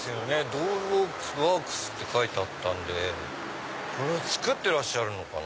ドールワークスって書いてあったんでこれ作ってらっしゃるのかな。